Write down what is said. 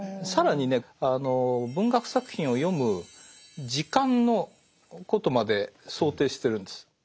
更にね文学作品を読む時間のことまで想定してるんです。